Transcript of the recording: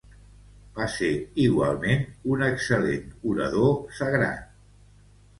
Va ser igualment un excel·lent orador sagrat.